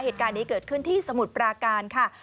เหตุการณ์นี้เกิดขึ้นที่สมุทรปราการค่ะ